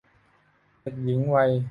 เด็กหญิงวัย